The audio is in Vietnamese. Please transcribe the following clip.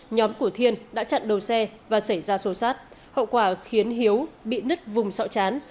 nhóm của thiên đã chặn đầu xe và xảy ra sổ sát hậu quả khiến hiếu bị nứt vùng sọ chán